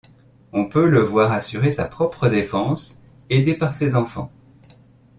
On peut le voir assurer sa propre défense, aidé par ses enfants.